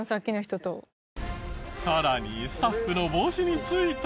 さらにスタッフの帽子に付いた。